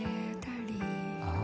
ああ。